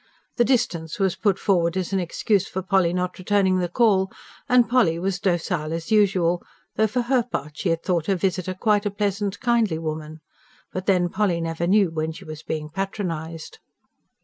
The distance was put forward as an excuse for Polly not returning the call, and Polly was docile as usual; though for her part she had thought her visitor quite a pleasant, kindly woman. But then Polly never knew when she was being patronised!